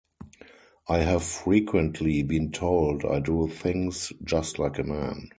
I have frequently been told I do things just like a man.